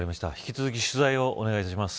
引き続き取材をお願いします。